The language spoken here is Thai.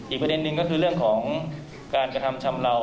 ประเด็นหนึ่งก็คือเรื่องของการกระทำชำเลา